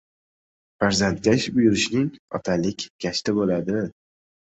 Farzandga ish buyurishning otalik gashti bo‘ladi.